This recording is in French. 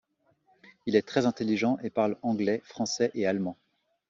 Il est très intelligent et parle anglais, français et allemand.